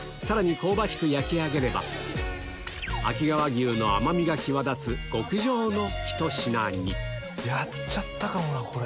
香ばしく焼き上げれば秋川牛の甘みが際立つ極上のひと品にやっちゃったかもなこれ。